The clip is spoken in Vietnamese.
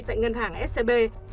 tại ngân hàng scb